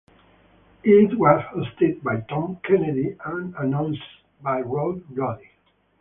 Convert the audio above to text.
It was hosted by Tom Kennedy and announced by Rod Roddy.